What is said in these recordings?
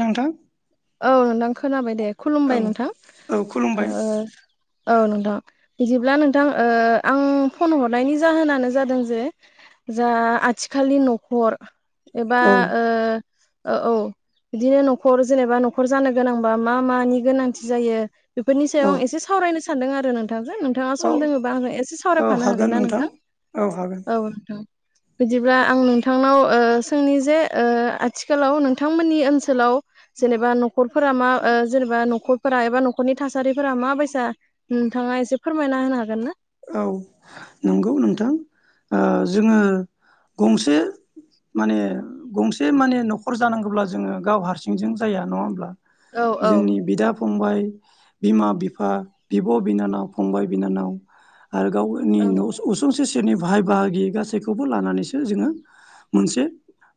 नोंथां। औ नोंथां खोनाबाय दे औ खुलुमबाय नोंथां। औ ओ खुलुमबाय औ नोंथां। बिदिब्ला नोंथां ओ आं फन हरनायनि जाहोनानो जादों जे। जा आथिखालनि न'खर एबा औ ओ औ बिदिनो न'खर जेनेबा न'खर जानो गोनांबा मा मानि गोनांथि जायो बेफोरनि औ सायाव आं एसे सावरायनो। सान्दों आरो नोंथां नोंथांजों नोंथाङा औ सम दोङोबा आङो एसे सावरायफानो हागोन ना नोंथां। औ नोंथां। बिदिब्ला आं नोंथांनाव ओ सोंनि जे आथिखालाव नोंथांमोननि ओनसोलाव। जेनेबा न'खरफोरा मा जेनेबा न'खरफोरा एबा न'खरनि थासारिफोरा माबायसा नोंथाङा एसे फोरमायना होनो हागोन ना? औ नंगौ नोंथां ओ जोङो गंसे माने गंसे माने न'खर जानांगौब्ला जोङो गाव हारसिंजों जाया नङा होमब्ला? औ औ जोंनि बिदा फंबाय बिमा बिफा बिब' बिनानाव फंबाय बिनानाव आरो गावनि औ न' उसुं से सेरनि भाय बाहागि गासैखौबो लानानैसो जोङो मोनसे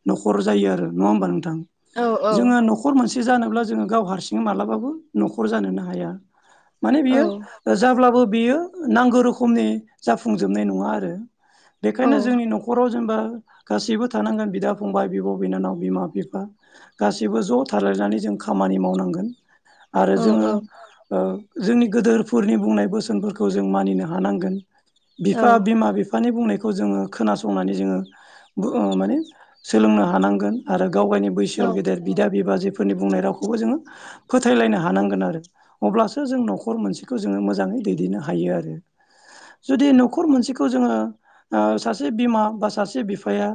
न'खर जायो आरो नङा होमबा नोंथां औ औ जोङो न'खर मोनसे से जानोब्ला जोङो गाव हारसिङै मालाबाबो न'खर जानोनो हाया। माने औ बियो जाब्लाबो बियो नांगौ रोखोमनि जाफुंजोबनाय नङा आरो। औ बेखायनो जोंनि न'खराव जेनेबा गासिबो थानांगोन बिदा फंबाय बिब' बिनानाव बिमा बिफा गासैबो ज' थालायनानै जों खामानि मावनांगोन। आरो औ जोङो ओ जोंनि गोदोरफोरनि बुंनाय बोसोनफोरखौ जों मानिनो हानांगोन औ बिफा बिमा बिफानि बुंनाय खौ जोङो खोनासंनानै‌ जोङो सोलोंनो‌ हानांगोन आरो गाव गावनि औ बैसोआव गेदेर बिदा बिबाजै फोरनि बुंनाय रावखौबो जोङो फोथायलायनो हानांगोन आरो अब्लासो जों न'खर मोनसेखौ जोङो मोजाङै दैदेननो हायो आरो। जुदि न'खर मोनसेखौ जोङो ओ सासे बिमा बा सासे बिफाया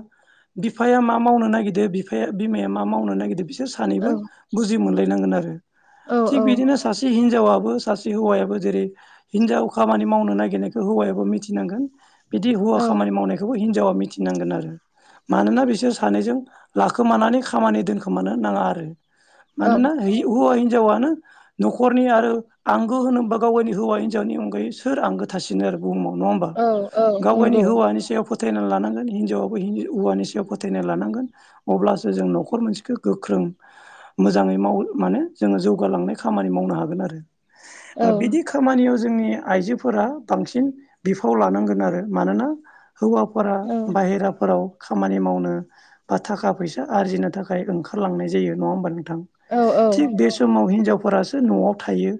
बिफाया मा मावनो नागिरदो बिफाया बिमाया मा मावनो नागिरदो बि- सोर सानैबो बुजिमोनलायनांगोन आरो थिग बिदिनो सासे हिन- जावआबो सासे हौवायाबो जेरै हिनजाव खामानि मावनो नायगिरनायखौ हौवायाबो मिथिनांगोन। बिदि हौवा खामानि मावनायखौबो हिन- जावा मिथिनांगोन आरो मानोना बिसोर सानैजों लाखोमानानै खामानि दोनखोमानो नाङा आरो। औ मानोना हि हौवा हिजावनो न'खरनि आरो आंगो होनोबा गावनि हौवा नि अनगायै सोर आंगो थासिनो आरो बुहुमाव नङा होनबा औ औ गाव गावनि नंगौ हौवानि सायाव फो थायना लानांगोन हिनजावाबो हौवानि सायाव फोथायना लानांगोन अब्लासो जों नखर मोनसेखौ गोख्रों मोजाङै माव माने जोङो जौगालांनाय खामानि मावनो हागोन आरो। औ बिदि खामानियाव जोंनि आइजोफोरा बांसिन बिफाव लानांगोन आरो मानोना हौवाफोरा बाहेराफोराव खामानि मावनो बा थाखा फैसा आरजिनो थाखाय ओंखारलांनाय जायो नङा होमबा नों थां औ थिग बे समाव हिनजावफोरासो न'आव थायो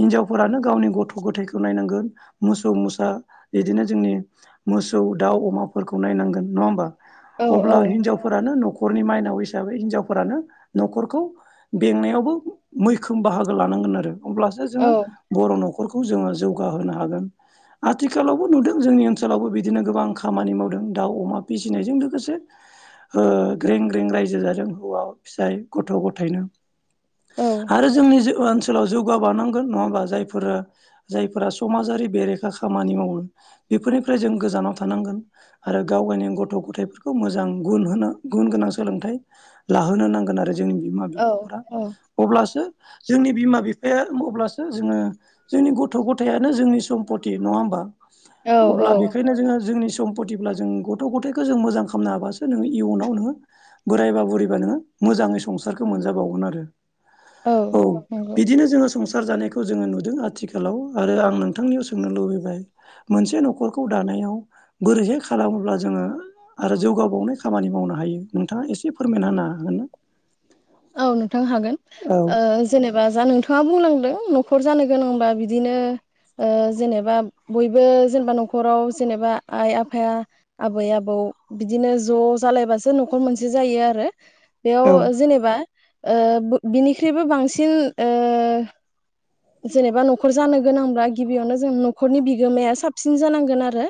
हिनजावफोरानो गावनि गथ' ग'थायखौ नायनांगोन मोसौ मोसा बिदिनो जोंनि मोसौ दाउ अमाफोरखौ नाय नङा औ होनबा औ हिनजावफोरानो न'खर न'खरनि माइनाव हिसाबै हिनजावफोरानो न'खरखौ बेंनायावबो मैखोम बाहागो लानांगोन आरो। अब्लासो जोङो बर' न'खर खौ जोङो जौगाहोनो हागोन आथिखालावबो नुदों जोंनि ओनसोलावबो बिदिनो गोबां खामानि मावदों। दाउ अमा फिसिनायजों लोगोसे ओ ग्रें ग्रें रायजो जादों हौवा फिसाय गथ' गथायनो औ आरो जोंनि ओनसोलाव जौगाबावनांगोन नङा होमबा जायफोरो जायफोरा समाजारि बेरेखा खामानि मावो बेफोरनिफ्राय जों गोजानाव थानांगोन आरो। गाव गावनि गथ' गथायफोरखौ मोजां गुन गोनां सोलोंथाइ लाहोनो नांगोन आरो। जोंनि बिमा औ बिफाफोरा अब्लासो जोंनि बिमा बिफाया अब्लासो जोङो जोंनि गथ' गथायानो जोंनि सम्पति नङा होमबा अब्ला औ बेखायनो जोङो जोंनि सम्पतब्ला जों गथ' गथथायखौ जों मोजां खालामनो हाबासो नोङो इयुनाव नोङो बोरायबा बुरैबा नोङो मोजाङै संसारखौ मोनजाबावगोन आरो। औ नंगौ बिदिनो जोङो संसार जानायखौ जोङो नुदों आरो। आथिखालाव आरो आं नोंथांनियाव सोंनो लुबैबाय मोनसे न'खरखौ दानायाव बोरैहाय खालामोब्ला जोङो। आरो जौगाबावनाय खामानि मावनो हायो नोंथाङा एसे फोरमायना होनो हागोन ना? औ नोंथां हागोन औ ओ जेनेबा जा नोंथाङा बुंलांदों न'खर जानो गोनांबा बिदिनो। ओ जेनेबा बयबो जेनेबा न'खराव जेनेबा आइ आफाया आबै-आबौ। बिदिनो ज' जालायबासो न'खर मोनसे जायो आरो बेयाव औ जेनेबा। ओ बिनिख्रुइबो बांसिन ओ जेनेबा न'खर जानो गोनांब्ला गिबियावनो जों न'खरनि बिगोमाया साबसिन जानांगोन आरो।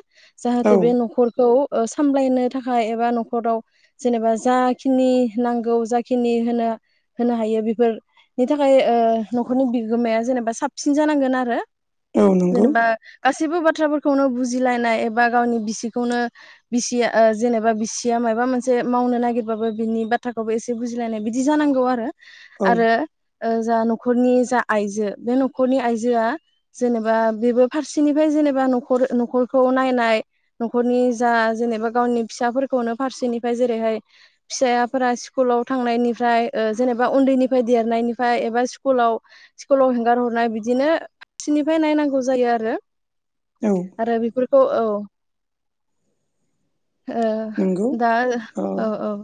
जाहाथे बे औ न'खरखौ। सामलायनो थाखाय एबा न'खराव जेनेबा जाखिनि नांगौ जाखिनि होनो। होनो हायो बेफोरनि थाखाय ओ न'खरनि बिगोमाया जेनेबा साबसिन जानांगोन आरो। औ नंगौ जेनेबा गासै सिबो बाथ्राफोरखौनो बुजिलायनाय एबा गावनि बिसिखौनो बिसि जेनेबा बिसिया मा। माबा मोनसे मावनो नागिरबाबो बिनि बाथ्राखौबो एसे बुजिलायनाय बिदि जानांगौ औ आरो। जा न'खरनि जा आइजो बे न'खरनि आइजोया जेनेबा बेबो फारसेनिफ्राय। जेनेबा न'खरखौ नाय न'खरनि जा जेनेबा गावनि फिसाफोरखौनो फारसे। फ्राय जेरैहाय फिसाफोरा स्कुलाव थांनायनि फ्राय जेनेबा उनदैनिफ्राय देरनायनिफ्राय एबा स्कुलाव स्कुलाव हेंगार हरनाय बिदिनो। फारसेनिफ्राय नायनांगौ जायो आरो। औ आरो बेफोरखौ औ। ओ नंगौ दा औ औ।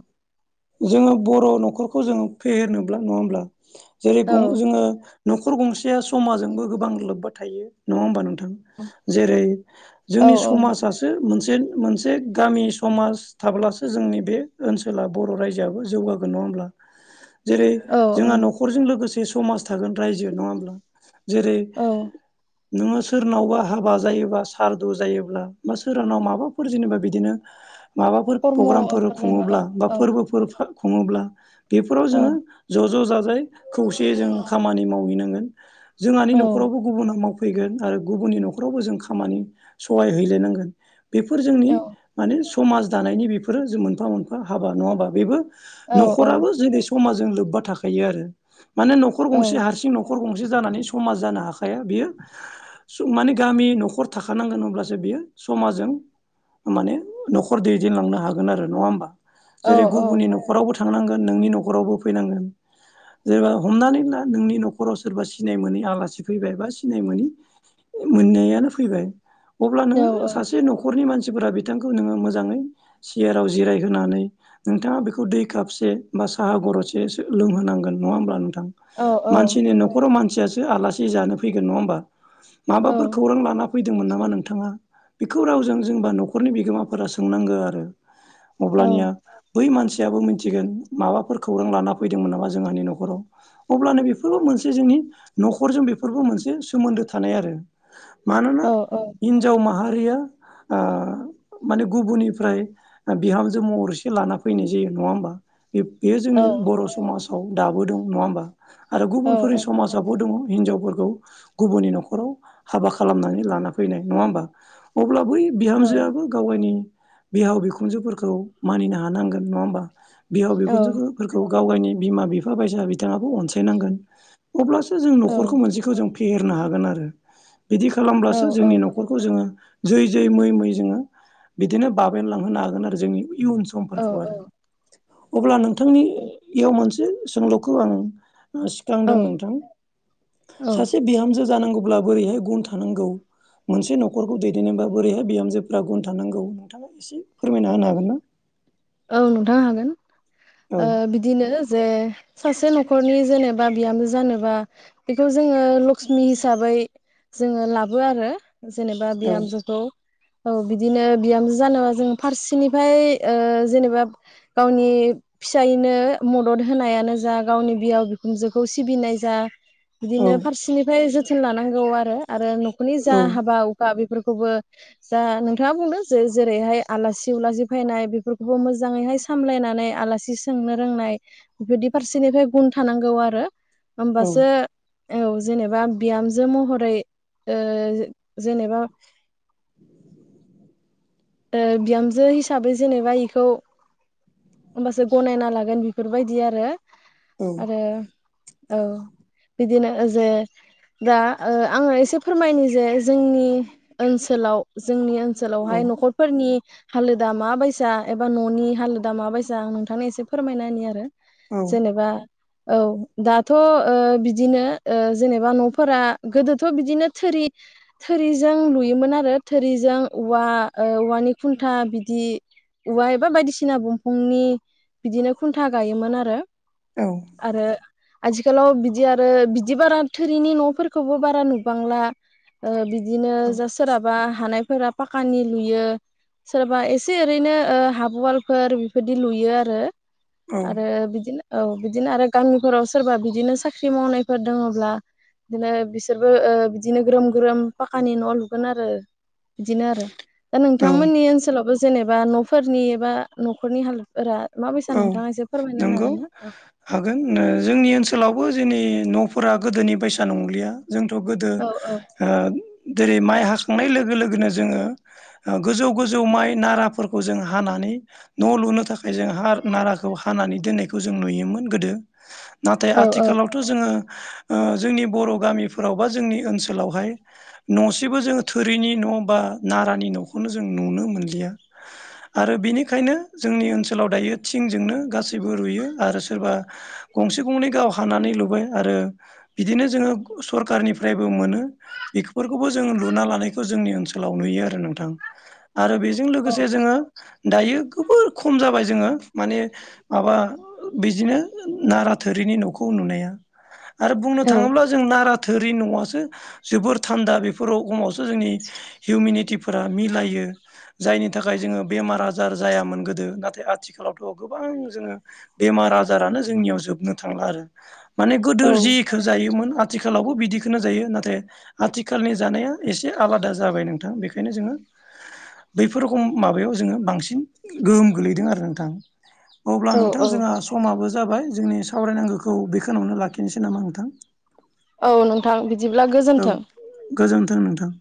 जोङो बर' न'खरखौ जोङो फेहेरनोब्ला नङा होनब्ला जेरै जोङो। न'खर गंसेया समाजोंबो गोबां लोबबा थायो नङा होमबा नों जेरै औ जोंनि समाजसो मोनसे। मोनसे गामि समाज थाब्लासो जोंनि बे ओनसोलाव बर' रायजोयाबो जौगागोन नङा होमब्ला जेरै औ जोंहा औ न'खरजों लोगोसे समाज। थागोनन रायजो नङा होनब्ला जेरै औ नोङो सोरनावबा हाबा जायोबा सारदु जायोब्ला बा सोरनाव माबाफोर जेनेबा बिदिनो। माबाफोर पग्रामफोर कर्मफोर जाबा खुङोब्ला औ बा औ फोरबोफोर खुङोब्ला बेफोराव औ जोङो ज' ज' जा यै खौसेै जों खामानि मावहैनांगोन जोंहानि औ न'खरावबो गुबुना माव फैगोन आरो गुबुननि न'खरावबो जों खामानि सहाय हैलायनांगोन बेफोर औ जोंनि माने समाज दानायनि बेफोरो जों मोनफा मोनफा हाबा नङा होनबा बेबो औ औ न'खराबो जेरै समाजजों लोब्बा थाखायो आरो। माने न'खर औ गंसे हारसिं न'खर गंसे जानानै समाज जानो हा बियो माने गामि न'खर थाखानांगोन अब्लासो बियो समाजजों। माने न'खर दैदेनलांनो हागोन आरो नङा होमबा औ जेरै गुबुननि औ न'खरावबो। थांनांगोन नोंनि न'खरावबो फैनांगोन। जेनेबा हमनानै ला नोंनि न'खराव सोरबा सिनाय मोनि आलासि। फैबाय बा सिनाय मोननायानो फैबाय अब्ला औ नोङो सासे न'खरनि मानसि। फोरा बिथांखौ नोङो मोजाङै सियाराव जिराय। होनानै नोंथाङा बेखौ दै कपसे बा साहा गरसे लोंहोनांगोन नङा होमब्ला नोंथां। औ मानसिनि न'खराव मानसियासो आलासि जानो फैगोन नङा होनबा औ माबाफोर खौरां लाना। फैदोंमोन नामा नोंथाङा बेखौ रावजों जेनबा न'खरनि बिगोमाफोरा सोंनांगो आरो। औ अब्लानिया बै मिथिगोन माबाफोर खौरां लाना फैदोंमोन नामा जोंहानि न'खराव अब्लानो बेफोरबो मोनसे जोंनि। न'खजों बेफोरबो मोनसे सोमोन्दो थानाय आरो मानोना औ हिनजाव माहारि। रिया माने गुबुननिफ्राय बिहामजो महरैसो लाना फैनाय जायो नङा होमबा बे बेयो जोंनि बर' समाजाव। दाबोदों नङा होमबा आरो गुबुनफोरनि समाजावबो दङ। हिनजावफोरखौ गुबुननि न'खराव हाबा खालामनानै लाना फैनाय नङा होमबा? अब्ला बै बिहामजोआबो गाव गायनि बिहाव बिखुनजोफोरखौ। खौ मानिनो हानांगोन नङा होमबा बिहाव बिखुनजोफोरखौ गाव गायनि बिमा बिफा बायसा बिथाङाबो अनसायनांगोन अब्लासो जों न'खरखौ मोनसेखौ जों फेहेरनो हागोन आरो बिदि खालामब्लासो जोंनि न'खरखौ जोङो जै जै मै मै जोङो बिदिनो बाबेनलांहोनो हागोन आरो जोंनि इयुन समफोरखौ आरो अब्ला नोंथांनियाव मोनसे सोंलुखौ आं औ सिखांदों नोंथां औ सासे बिहामजो जानांगौब्ला बोरैहाय गुन थानांगौ मोनसे न'खरखौ दैदेनोबा बोरैहाय बिहामजोफ्रा गुन थानांगौ नोंथाङा एसे फोरमायना होनो हागोन [unintelligible] औ नोंथां हागोन औ ओ बिदिनो जे सासे न'खरनि जेनेबा बिहामजो जानोबा बेखौ जोङो लक्ष्मि हिसाबै जोङो लाबो आरो जेनेबा औ बिहामजोखौ औ बिदिनो बिहाम जों जानोबा जों फारसेनिफाय ओ जेनेबा गावनि फिसायनो मदद होनायानो जा गावनि बिहाव बिखुनजोखौ सिबिनाय जा औ बिदिनो फारसेनिफ्राय जोथोन लानांगौ आरो आरो न'खरनि जा औ हाबा हुखा बेफोरखौ फोरखौबो जा नोंथाङा बुंदों जेरैहाय आलासि उलासि फैनाय बेफोरखौ बो मोजाङैहाय सामलायनानै आलासि सोंनो रोंनाय बेदि फारसेनिफ्राय गुन थानांगौ आरो औ होमबासो औ जेनेबा बिहामजो महरै ओ जेनेबा [inaudible] बिहामजो हिसाबै जेनेबा इखौ होमबासो गनायना लागोन बिफोरबायदि आरो औ आरो औ बिदिनो ओ जे दा आङो एसे फोरमायनो जे जोंनि ओनसोलाव जोंनि ओनसोलावाहाय औ न'खर नि हालोदा माबायसा एबा न'नि हालोदा मााबायसा आं नोंथांनि एसे फोरमायनानायनि आरो जेनेबा औ दाथ' बिदिनो जेनेबा न'फोरा गोदोथ' बिदिनो थोरि थोरिजों लुयोमोन आरो थोरिजों औवा ओ औवानि खुन्था बिदि औवा एबा बायदिसिना दंफांनि बिदिनो खुन्था गायोमोन आरो औ आरो आथिखालाव बिदि आरो बिदि बारा थोरिनि न'फोरखौबो बारा नुबांला बिदिनो जा सोरहाबा हानायफोरा पाकानि लुयो सोरबा एसे ओरैनो ओ हाबवालफोर बेबायदि लुयो आरो औ आरो बिदिनो औ बिदिनो आरो गामिफोराव सोरबा बिदिनो साख्रि मावनायफोर दोङोब्ला बिदिनो बिसोरबो बिदिनो ग्रोम ग्रोम पाकानि न' लुगोन आरो बिदिनो आरो दा औ नोंथांमोननि ओनसोलावबो जेनेबा न'फोरनि एबा न'खरनि हालोदफोरा माबायसा औ नोंथाङा एसे फोरमायना होनो नंगौ हागोन ना? हागोन जोंनि ओनसोलावबो जोंनि न'फोरा गोदोनि बैसा नंलिया जोंथ' गोदो औ औ ओ जेरै माइ हाखांनाय लोगो लोगोनो जोङो गोजौ गोजौ माइ नाराफोरखौ जों हानानै नै न' लुनो थाखाय जों हा नाराखौ हानानै दोननायखौ जों नुयोमोन गोदो नाथाय औ आथिखालावथ' जोङो जोंनि बर' गामिफोराव बा जोंनि ओनसोलावहाय न'सेबो जोङो थोरनि न' न' बा नारानि न'खौनो जों नुनो मोनलिया आरो बेनिखायनो जोंनि ओनसोलाव दायो थिंजोंनो गासैबो रुयो आरो सोरबा गंसे गंनै गाव हानानै लुबाय आरो बिदिनो जोङो सरखारारनिफ्रायबो मोनो बेफोरखौबो जोङो लुना लानायखौ जोंनि ओनसोलाव नुयो आरो नोंथां आरो बेजों औ लोगोसे जोङो दायो जोबोर खम जाबाय जोङो माने माबा बिदिनो नारा थोरिनि न'खौ नुनाया आरो बुंनो थाङोब्ला जों नारा थोरि न'आासो जोबोर थान्दा बेफोर खमावसो जोंनि हिउमिनिटिफोरा मिलायो जायनि थाखाय जोङो बेमार आजार जायामोन गोदो नाथाय आथिखालावथ' गोबां जोङो बेमार आजारानो जोंनियाव जोबनो थांला आरो माने गोदो औ जिखौ जायोमोन आथिखालावबो बिदिखो जायो नाथाय आथिखालनि जानाया एसे आलादा जाबाय नोंथां बेखायनो जोङो बैफोर रखम माबायाव जोङो बांसिन गोहोम गोलैदों आरो नोंथां। अब्ला औ नोंथां औ जोंहा समाबो जाबाय जोंनि सावरायनांगौखौ बेखौावनो लाखिनोसै नामा नोंथां। औ नोंथां बिदिब्ला औ गोजोन्थों। गोजोन्थों नोंथां।